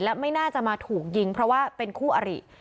และไม่น่าจะมาถูกยิงเพราะว่าเป็นคู่อริ